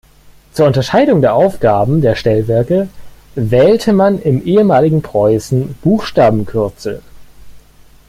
Zur Unterscheidung der Aufgaben der Stellwerke wählte man im ehemaligen Preußen Buchstabenkürzel.